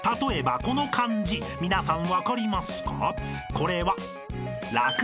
［これは］